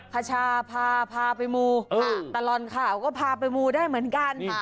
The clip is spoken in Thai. พระชาติพาพาไปมูตะรอนข่าวว่าพาไปมูได้เหมือนกัน